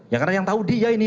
ya karena yang tahu dia ini